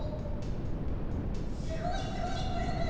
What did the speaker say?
すごいすごいプログ！